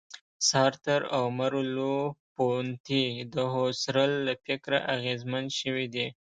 سارتر او مرلوپونتې د هوسرل له فکره اغېزمن شوي دي.